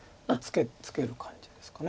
ツケる感じですか。